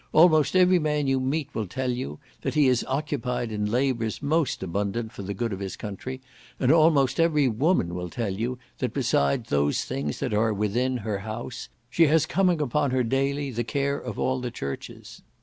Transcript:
Almost every man you meet will tell you, that he is occupied in labours most abundant for the good of his country; and almost every woman will tell you, that besides those things that are within (her house) she has coming upon her daily the care of all the churches.